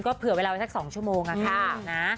ก็เผื่อเวลาอย่างสัก๒ชั่วโมงนะคะ